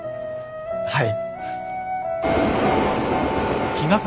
はい。